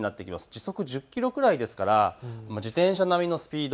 時速１０キロぐらいですから自転車並みのスピード。